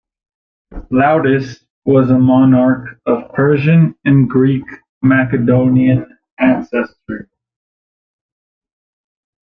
Laodice was a monarch of Persian and Greek Macedonian ancestry.